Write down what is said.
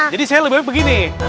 jadi saya lebih baik begini